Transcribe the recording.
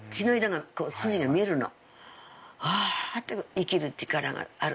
生きる力があるわけ。